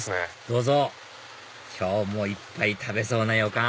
どうぞ今日もいっぱい食べそうな予感！